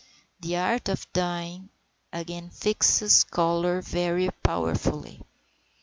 The art of dyeing again fixes colour very powerfully.